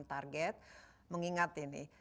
target mengingat ini